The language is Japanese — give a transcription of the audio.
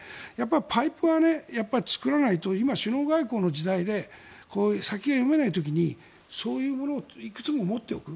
パイプは作らないと今、首脳外交の時代で先が読めない時にそういうものをいくつも持っておく。